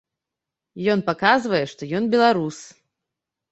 Ён паказвае, што ён беларус.